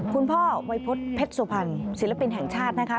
คุณพ่อวัยพฤษเพชรสุพรรณศิลปินแห่งชาตินะคะ